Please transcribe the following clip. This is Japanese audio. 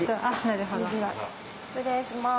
失礼します。